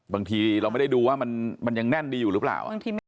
บางทีเราไม่ได้ดูว่ามันยังแน่นดีอยู่หรือเปล่า